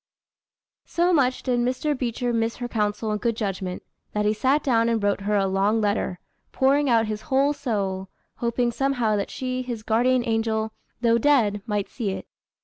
So much did Mr. Beecher miss her counsel and good judgment, that he sat down and wrote her a long letter, pouring out his whole soul, hoping somehow that she, his guardian angel, though dead, might see it.